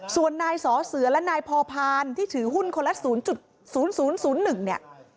ส่วนนายสอเสือและนายพอพานที่ถือหุ้นคนละ๐๐๑เนี่ย